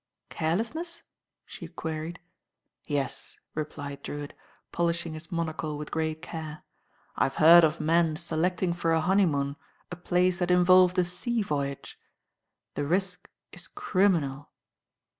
"Carelessness?" she queried. "Yes," replied Drewitt, polishing his monocle with great care. "I've heard of men selecting for a honeymoon a place that involved a sea voyage. The risk is criminal."